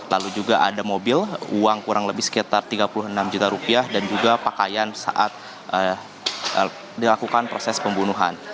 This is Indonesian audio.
lalu juga ada mobil uang kurang lebih sekitar tiga puluh enam juta rupiah dan juga pakaian saat dilakukan proses pembunuhan